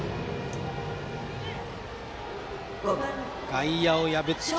外野を破って。